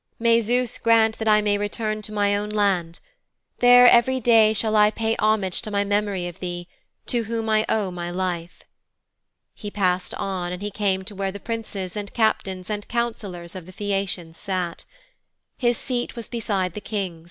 May Zeus grant that I may return to my own land. There every day shall I pay homage to my memory of thee, to whom I owe my life.' He passed on and he came to where the Princes and Captains and Councillors of the Phæacians sat. His seat was beside the King's.